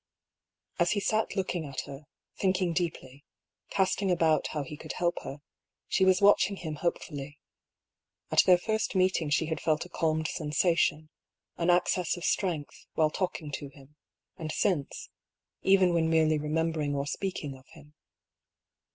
As he sat looking at her, thinking deeply, casting about how he could help her, she was watching him hopefully. At their first meeting she had felt a calmed sensation, an access of strength, while talking to him, and since— even when merely remembering or speaking of him.